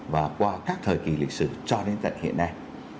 và qua các thời kỳ lịch sử cho đến tận hiện nay